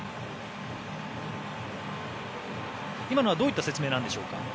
今のはどういった説明なんでしょうか。